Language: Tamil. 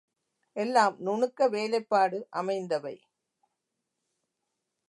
எல்லாம் நுணுக்க வேலைப்பாடு அமைந்தவை.